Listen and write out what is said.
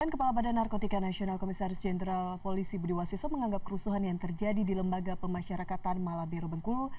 kepala badan narkotika nasional komisaris jenderal polisi budi wasiso menganggap kerusuhan yang terjadi di lembaga pemasyarakatan malabero bengkulu